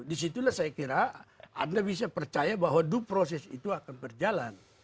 disitulah saya kira anda bisa percaya bahwa due process itu akan berjalan